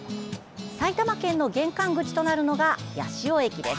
埼玉県の玄関口となるのが八潮駅です。